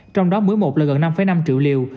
trong đó mỗi một là gần năm năm triệu liều